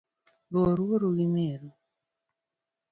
Luor wuoru gi meru